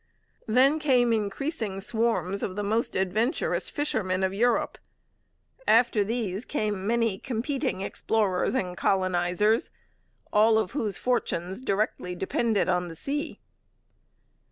Then came increasing swarms of the most adventurous fishermen of Europe. After these came many competing explorers and colonizers, all of whose fortunes directly depended on the sea.